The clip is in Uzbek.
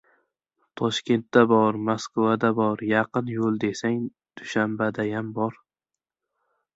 Toshkentda bor. Moskvada bor, yaqin yo‘l desang, Dushanbadayam bor.